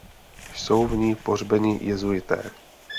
Jsou v ní pohřbeni jezuité.